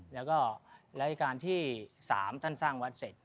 แล้วก็ราชการที่๓ท่านสร้างวัดเสร็จ